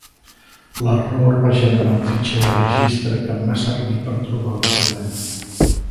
L'error va generar un fitxer de registre que em va servir per trobar el problema.